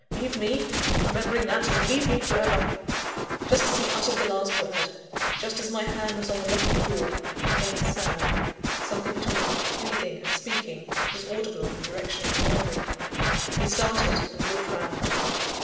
Leave me, remembering that and leave me for ever!" Just as he uttered the last word, just as my hand was on the lock of the door, a faint sound something between breathing and speaking was audible in the direction of the library. He started, and looked round.